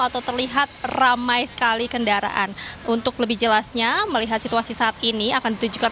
atau terlihat ramai sekali kendaraan untuk lebih jelasnya melihat situasi saat ini akan ditujukan